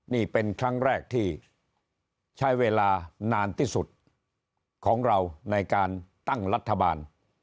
นี่เป็นครั้งแรกที่ใช้เวลานานที่สุดของเราในการตั้งรัฐบาล